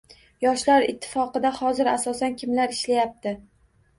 Yoshlar Ittifoqida hozir asosan kimlar ishlayapti?